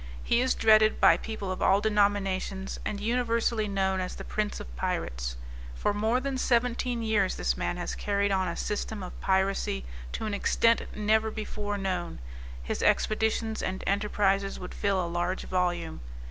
He is dreaded by people of all denominations, and universally known as the "prince of pirates." For more than seventeen years this man has carried on a system of piracy to an extent never before known; his expeditions and enterprises would fill a large volume.